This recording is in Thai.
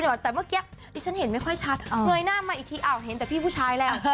แต่เมื่อกี้ดิฉันเห็นไม่ค่อยชัดเงยหน้ามาอีกทีอ้าวเห็นแต่พี่ผู้ชายแล้ว